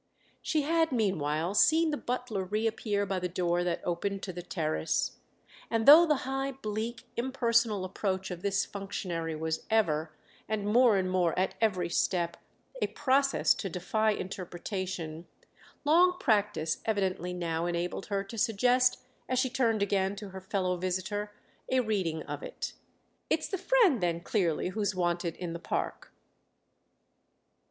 She had meanwhile seen the butler reappear by the door that opened to the terrace, and though the high, bleak, impersonal approach of this functionary was ever, and more and more at every step, a process to defy interpretation, long practice evidently now enabled her to suggest, as she turned again to her fellow visitor a reading of it. "It's the friend then clearly who's wanted in the park."